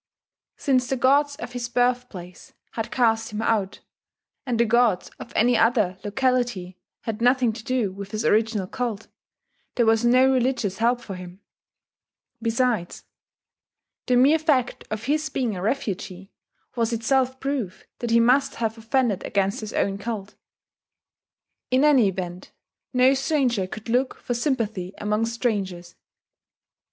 Since the gods of his birthplace had cast him out, and the gods of any other locality had nothing to do with his original cult, there was no religious help for him. Besides, the mere fact of his being a refugee was itself proof that he must have offended against his own cult. In any event no stranger could look for sympathy among strangers.